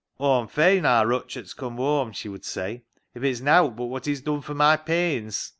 " Aw'm fain aar Rutchart's come whoam," she would say, " if it's nowt but what he's done fur my pains."